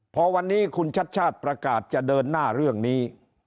พอวันนี้คุณชัดชาติประกาศจะเดินหน้าเรื่องนี้